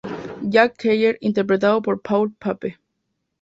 Jack Keller interpretado por Paul Pape.